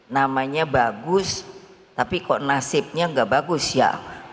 namanya bagus tapi kok nasibnya gak bagus ya